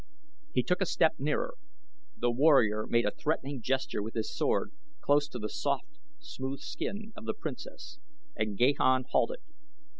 He took a step nearer. The warrior made a threatening gesture with his sword close to the soft, smooth skin of the princess, and Gahan halted.